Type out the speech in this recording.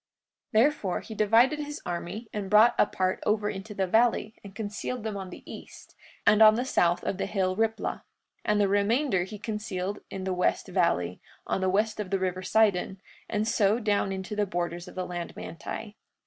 43:31 Therefore, he divided his army and brought a part over into the valley, and concealed them on the east, and on the south of the hill Riplah; 43:32 And the remainder he concealed in the west valley, on the west of the river Sidon, and so down into the borders of the land Manti.